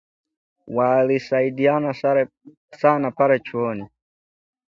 Walisaidiana sana pale chuoni